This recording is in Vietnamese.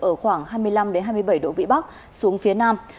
ở khoảng hai mươi năm hai mươi bảy độ vĩ bắc xuống phía nam